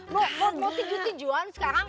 mau tidur tiduran sekarang